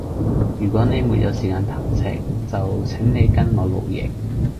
如果你沒有時間談情，就請你跟我露營。